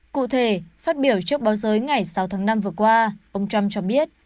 cụ thể phát biểu trước báo giới ngày sáu tháng năm vừa qua ông trump cho biết